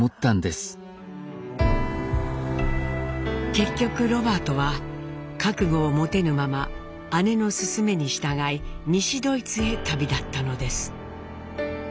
結局ロバートは覚悟を持てぬまま姉の勧めに従い西ドイツへ旅立ったのです。